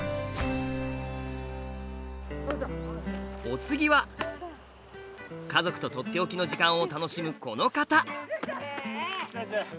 お次は家族と「とっておきの時間」を楽しむこの方。